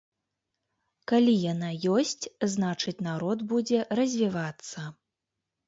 Калі яна ёсць, значыць, народ будзе развівацца.